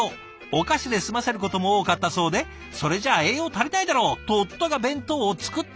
お菓子で済ませることも多かったそうで「それじゃあ栄養足りないだろ！」と夫が弁当を作ってくれることに。